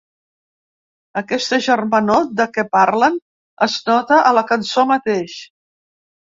Aquesta germanor de què parlen es nota a la cançó mateix.